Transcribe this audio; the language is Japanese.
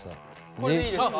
これでいいですか？